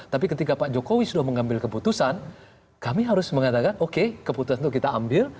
tapi ketika pak jokowi sudah mengambil keputusan kami harus mengatakan oke keputusan itu kita ambil